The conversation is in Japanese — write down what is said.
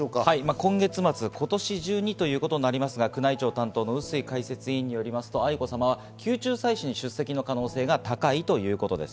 今月末、今年中に宮内庁担当の笛吹解説委員よりますと、愛子さまは宮中祭祀に出席の可能性が高いということです。